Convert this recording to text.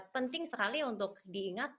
penting sekali untuk diingat